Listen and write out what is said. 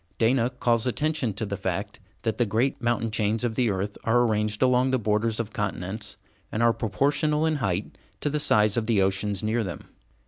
Dana calls attention to the fact that the great mountain chains of the earth are arranged along the borders of continents, and are proportional in height to the size of the oceans near them.